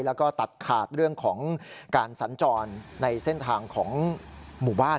แล้วก็ตัดขาดเรื่องของการสัญจรในเส้นทางของหมู่บ้าน